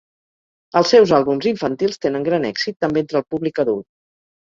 Els seus àlbums infantils tenen gran èxit també entre el públic adult.